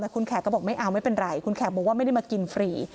แต่คุณแขกก็บอกไม่เอาไม่เป็นไรคุณแขกบอกว่าไม่ได้มากินฟรี